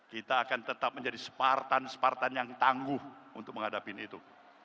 kita akan tetap menjadi separtan separtan yang tangguh untuk menghadapi itu